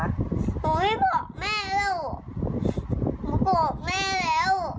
หนูไม่บอกแม่แล้วหนูโกรธแม่แล้ว